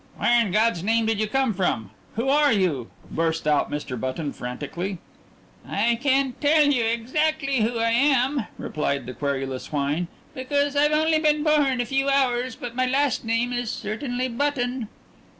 "Where in God's name did you come from? Who are you?" burst out Mr. Button frantically. "I can't tell you exactly who I am," replied the querulous whine, "because I've only been born a few hours but my last name is certainly Button."